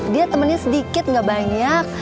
dia temennya sedikit gak banyak